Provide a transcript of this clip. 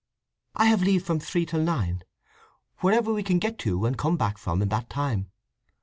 "I have leave from three till nine. Wherever we can get to and come back from in that time.